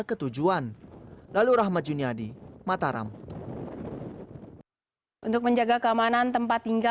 ke tujuh negara